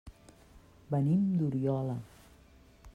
Venim d'Oriola.